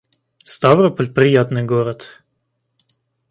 Ставрополь — приятный город